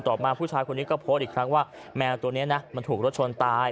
มาผู้ชายคนนี้ก็โพสต์อีกครั้งว่าแมวตัวนี้นะมันถูกรถชนตาย